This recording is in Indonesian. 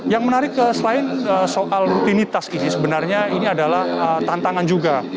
yang menarik selain soal rutinitas ini sebenarnya ini adalah tantangan juga